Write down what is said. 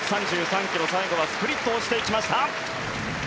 １３３ｋｍ最後はスプリット落ちていきました。